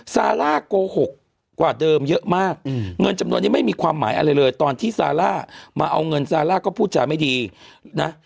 ซาร่าโกหกกว่าเดิมเยอะมากเงินจำนวนนี้ไม่มีความหมายอะไรเลยตอนที่ซาร่ามาเอาเงินซาร่าก็พูดจาไม่ดีนะ